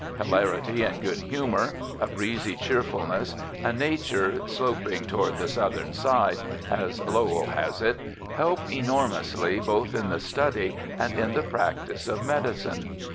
Hilarity and good humor, a breezy cheerfulness, a nature "sloping toward the southern side," as Lowell has it, help enormously both in the study and in the practice of medicine.